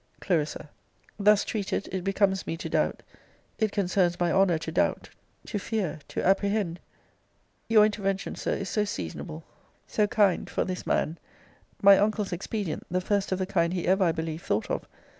Cl. Thus treated, it becomes me to doubt it concerns my honour to doubt, to fear, to apprehend your intervention, Sir, is so seasonable, so kind, for this man my uncle's expedient, the first of the kind he ever, I believe, thought of!